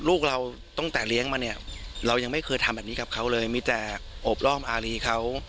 ลูกเราตั้งแต่เลี้ยงมาเนี่ยเรายังไม่เคยทำแบบนี้กับเขาเลยมีแต่โอบร่อมอารีเขา